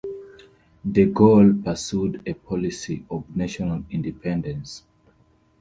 De Gaulle pursued a policy of national independence.